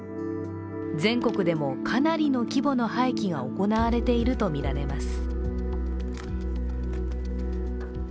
全国でも、かなりの規模の廃棄が行われているとみられます。